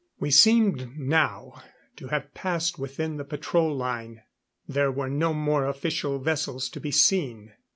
We seemed now to have passed within the patrol line. There were no more official vessels to be seen.